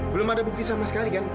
belum ada bukti sama sekali kan